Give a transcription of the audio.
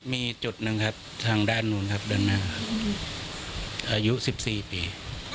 มีจุดหนึ่งทางด้านนู้นครับเดินห้างอายุ๑๔ปี